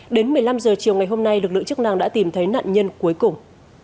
đến một mươi năm h chiều ngày hôm nay lực lượng chức năng đã tìm thấy nạn nhân cuối cùng